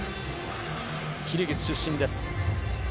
キルギス出身です。